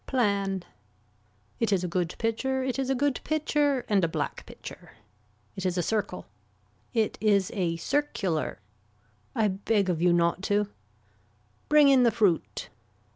Plan. It is a good pitcher it is a good pitcher and a black pitcher. It is a circle. It is a circular. I beg of you not to. Bring in the fruit.